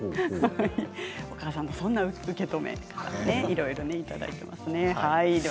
お母さんのそんな受け止めいろいろ勉強になりますね。